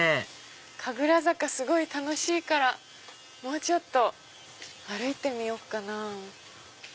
神楽坂すごい楽しいからもうちょっと歩いてみようかな。